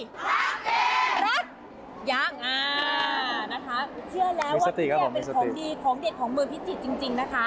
รักยังอ่านะคะเชื่อแล้วว่าที่นี่เป็นของดีของเด็ดของเมืองพิจิตรจริงนะคะ